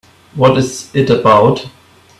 What is it about?